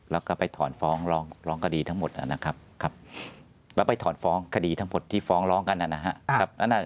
แล้วก็ไปถอนฟ้องร้องคดีทั้งหมดนะครับแล้วไปถอนฟ้องคดีทั้งหมดที่ฟ้องร้องกันนะครับ